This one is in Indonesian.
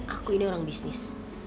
aku ini orang bisnis